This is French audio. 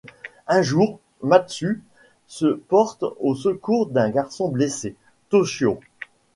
Un jour, Matsu se porte au secours d'un garçon blessé, Toshio.